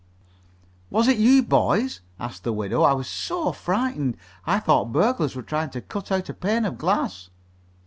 "Was it you boys?" asked the widow. "I was so frightened. I thought burglars were trying to cut out a pane of glass."